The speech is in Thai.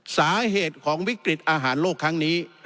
สาเหตุของวิกฤตอาหารโลกครั้งนี้